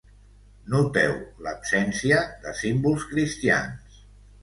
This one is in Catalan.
Noteu l'absència de símbols cristians.